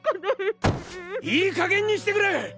いいかげんにしてくれ！